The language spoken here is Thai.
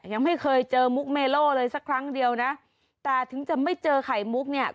ยังไม่เคยเจอมุกเมโล่เลยสักครั้งเดียวนะแต่ถึงจะไม่เจอไข่มุกเนี่ย